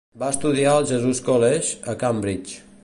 Va estudiar al Jesus College, a Cambridge.